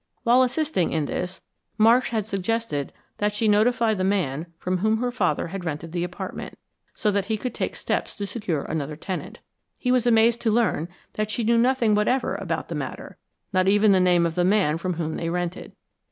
While assisting in this, Marsh had suggested that she notify the man from whom her father had rented the apartment, so that he could take steps to secure another tenant. He was amazed to learn that she knew nothing whatever about the matter, not even the name of the man from whom they rented.